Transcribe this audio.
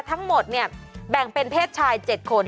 ทั้งหมดเนี่ยแบ่งเป็นเพศชาย๗คน